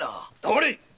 黙れ！